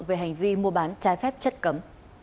về hành vi mua bán trái phép chất cấm